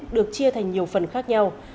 được chia thành nhiều phần khác nhau